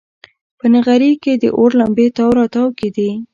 په نغري کې د اور لمبې تاو راتاو کېدې.